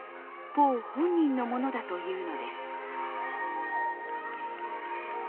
ポー本人のものだというのです。